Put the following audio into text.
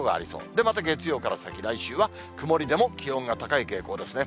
で、また月曜から先、来週は曇りでも気温が高い傾向ですね。